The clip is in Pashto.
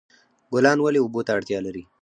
ګلان ولې اوبو ته اړتیا لري؟